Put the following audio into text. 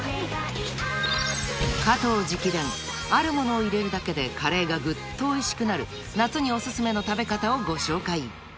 ［加藤直伝あるものを入れるだけでカレーがグッとおいしくなる夏におすすめの食べ方をご紹介］